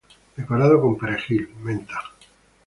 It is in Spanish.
Decorado con perejil, menta.